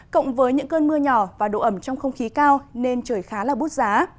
cộng với những cơn mưa nhỏ và độ ẩm trong không khí cao nên trời khá là bút giá